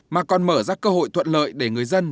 mà còn mở ra cơ hội thuận lợi để người dân